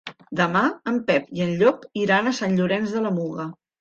Demà en Pep i en Llop iran a Sant Llorenç de la Muga.